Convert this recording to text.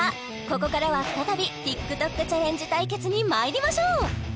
ここからは再びＴｉｋＴｏｋチャレンジ対決にまいりましょう！